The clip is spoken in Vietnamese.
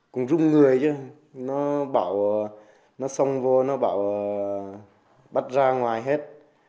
cũng rung người chứ nó bảo nó xông vô nó bảo bắt ra ngoài hết